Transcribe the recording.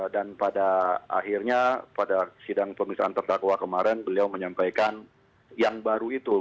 dan pada akhirnya pada sidang pemeriksaan tertakwa kemarin beliau menyampaikan yang baru itu